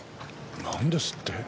なんですって？